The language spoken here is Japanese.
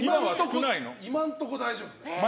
今のところ大丈夫です。